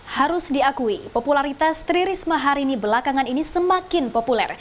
harus diakui popularitas tri risma hari ini belakangan ini semakin populer